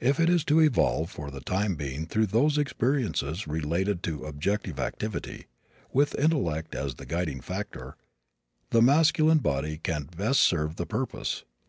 If it is to evolve for the time being through those experiences related to objective activity, with intellect as the guiding factor, the masculine body can best serve the purpose.